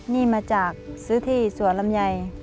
นี่มาจากซื้อที่สวนลำไย